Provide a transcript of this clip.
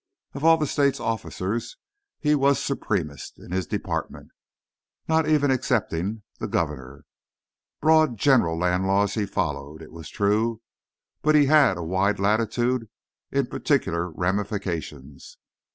Of all the state's officers he was supremest in his department, not even excepting the Governor. Broad, general land laws he followed, it was true, but he had a wide latitude in particular ramifications.